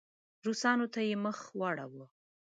روسانو ته یې مخ واړاوه.